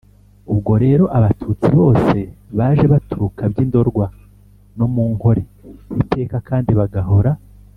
ubwo rero abatutsi bose baje baturuka by’’ndorwa no mu nkore, iteka kandi bagahora